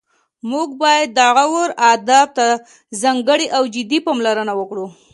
موږ باید د غور ادب ته ځانګړې او جدي پاملرنه وکړو